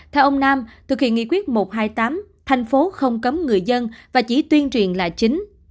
theo ông nam thực hiện nghị quyết một trăm hai mươi tám thành phố không cấm người dân và chỉ tuyên truyền là chính